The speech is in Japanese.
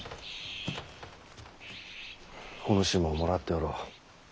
お主ももらっておろう。